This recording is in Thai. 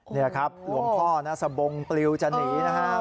นี่ลุงคล่อนทรบงจริวจะหนีนะครับ